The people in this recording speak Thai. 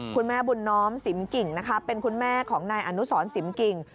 คุณแม่บุญน้อมสิมกิ่งนะคะเป็นคุณแม่ของนายอนุสรสิมกิ่ง